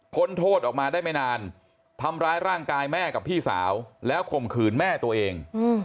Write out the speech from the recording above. โทษออกมาได้ไม่นานทำร้ายร่างกายแม่กับพี่สาวแล้วข่มขืนแม่ตัวเอง